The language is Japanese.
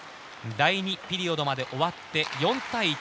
第２ピリオドまで終わって４対１。